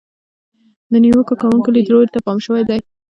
د نیوکه کوونکو لیدلورو ته پام شوی دی.